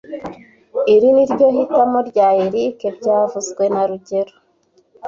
Iri ni ryo hitamo rya Eric byavuzwe na rugero